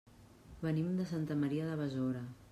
Venim de Santa Maria de Besora.